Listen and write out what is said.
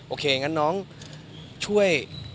โอเคงั้นน้องช่วย